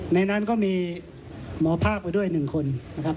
ในนั้นก็มีหมอภาคไปด้วย๑คนนะครับ